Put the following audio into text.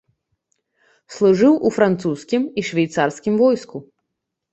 Служыў у французскім і швейцарскім войску.